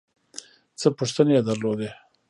څه پوښتنې یې درلودې.